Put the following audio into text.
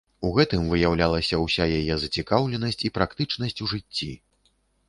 У гэтым выяўлялася ўся яе зацікаўленасць і практычнасць у жыцці.